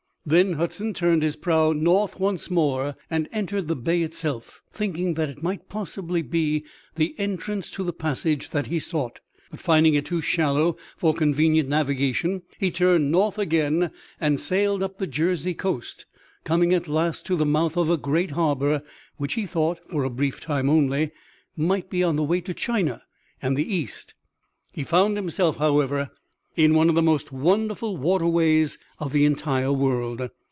Then Hudson turned his prow north once more and entered the bay itself, thinking that it might possibly be the entrance to the passage that he sought; but finding it too shallow for convenient navigation he turned north again and sailed up the Jersey coast, coming at last to the mouth of a great harbor, which he thought, for a brief time only, might be on the way to China and the east. He found himself, however, in one of the most wonderful waterways of the entire world.